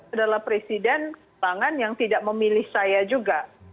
adalah presiden pangan yang tidak memilih saya juga